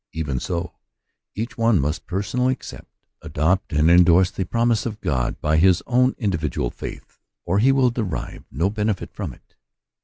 Even so, each one must personally accept, adopt, Endorsing the Promise. 97 md endorse the promise of God by his own in dividual faith, or he will derive no benefit from it.